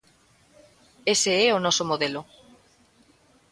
Ese é o noso modelo.